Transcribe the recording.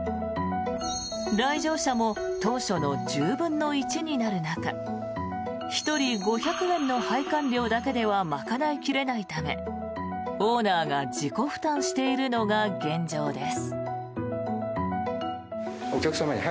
来場者も当初の１０分の１になる中１人５００円の拝観料だけでは賄い切れないためオーナーが自己負担しているのが現状です。